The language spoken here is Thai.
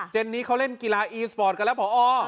นี้เขาเล่นกีฬาอีสปอร์ตกันแล้วพอ